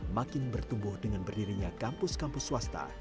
makin bertumbuh dengan berdirinya kampus kampus swasta